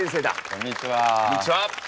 こんにちは。